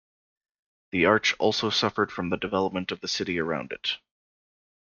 The arch also suffered from the development of the city around it.